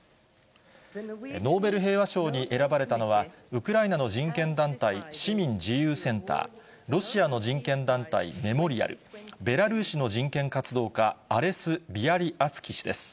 ノーベル平和賞に選ばれたのは、ウクライナの人権団体、市民自由センター、ロシアの人権団体、メモリアル、ベラルーシの人権活動家、アレス・ビアリアツキ氏です。